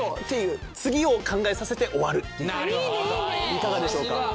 いかがでしょうか？